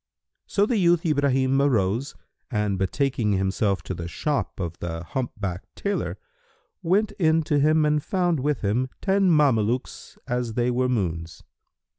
So the youth Ibrahim arose and betaking himself to the shop of the humpbacked tailor, went in to him and found with him ten Mamelukes as they were moons.